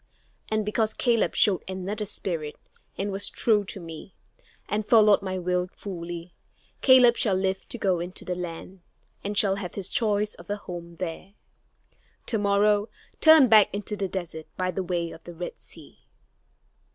And because Caleb showed another spirit and was true to me, and followed my will fully, Caleb shall live to go into the land, and shall have his choice of a home there. To morrow, turn back into the desert by the way of the Red Sea."